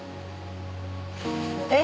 えっ？